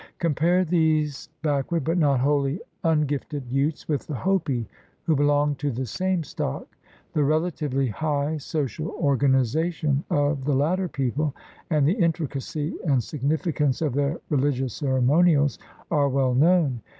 Compare these backward but not wholly un gifted Utes with the Hopi who belonged to the same stock. The relatively high social organiza tion of the latter people and the intricacy and significance of their religious ceremonials are well known.